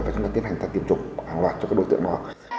và chúng ta tiến hành tiêm chủng hàng loạt cho các đối tượng đó